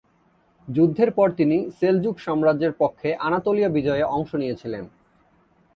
যুদ্ধের পরে তিনি সেলজুক সাম্রাজ্যের পক্ষে আনাতোলিয়া বিজয়ে অংশ নিয়েছিলেন।